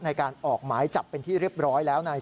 ในการออกไม้จับเป็นที่เรียบร้อยแล้วนะครับ